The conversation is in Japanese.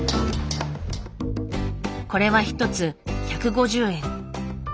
これは一つ１５０円。